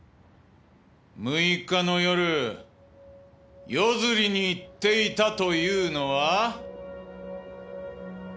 ６日の夜夜釣りに行っていたというのは？